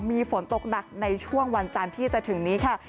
มีฝนตกหนักในช่วงวันจันทร์ที่จะถึงนี้ค่ะ